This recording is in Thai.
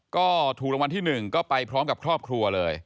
ก็ถูกรางวัลที่๑ก็ไปพร้อมกับครอบครัวเลย